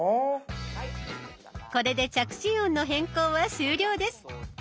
これで着信音の変更は終了です。